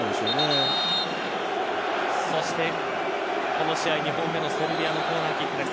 この試合２本目のセルビアのコーナーキックです。